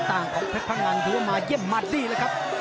ต่างของเพชรพังงันถือว่ามาเยี่ยมมาดี้เลยครับ